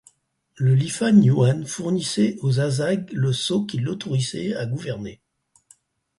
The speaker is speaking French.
Le Lifan Yuan fournissait au Zasag le sceau qui l'autorisait à gouverner.